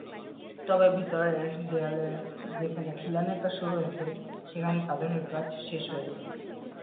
তবে ভেতরের দেয়ালে যেখানে খিলানের কাজ শুরু হয়েছে, সেখানে পাথরের কাজ শেষ হয়েছে।